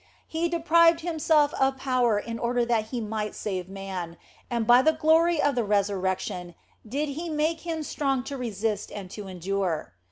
He de prived Himself of power in order that He might save man, and by the glory of the resurrection did He make him strong to resist and to endure.